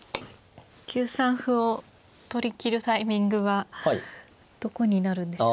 ９三歩を取りきるタイミングはどこになるんでしょう。